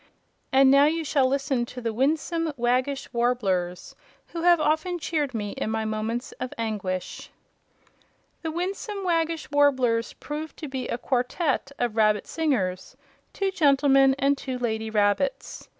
And now you shall listen to the Winsome Waggish Warblers, who have often cheered me in my moments of anguish." The Winsome Waggish Warblers proved to be a quartette of rabbit singers, two gentlemen and two lady rabbits.